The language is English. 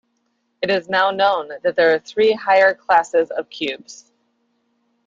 It is now known that there are three higher classes of cubes.